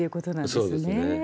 そうですね。